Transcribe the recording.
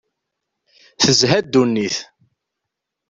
Tezha ddunit.